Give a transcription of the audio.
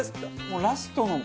もうラストの。